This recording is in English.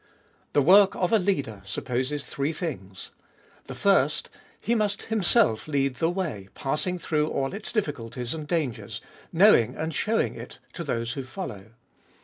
The work of a leader supposes three things. The first : He must Himself lead the way, passing through all its difficulties and dangers, knowing and showing it to those who follow.